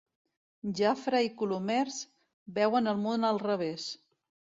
Jafre i Colomers veuen el món al revés.